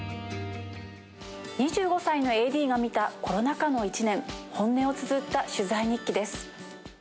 ２５歳のＡＤが見たコロナ禍の１年、本音をつづった取材日記です。